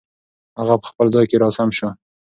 هغه په خپل ځای کې را سم شو.